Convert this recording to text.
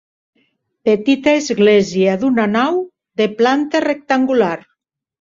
Petita església d'una nau, de planta rectangular.